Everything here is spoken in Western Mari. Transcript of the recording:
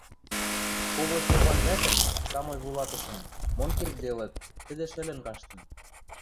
Кого Стьопан вӓтӹм – самой вуйлатышым, мон кердделыт, тӹдӹ шӹлӹн каштын.